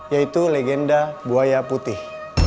yaitu legenda buaya putih